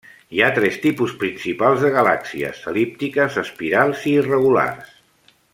Hi ha tres tipus principals de galàxies: el·líptiques, espirals, i irregulars.